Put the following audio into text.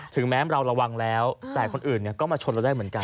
แม้เราระวังแล้วแต่คนอื่นก็มาชนเราได้เหมือนกัน